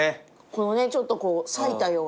このねちょっとこう割いたような。